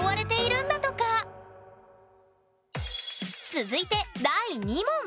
続いて第２問！